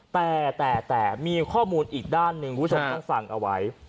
แต่แต่แต่มีข้อมูลอีกด้านหนึ่งวิวชาติต้องสั่งเอาไว้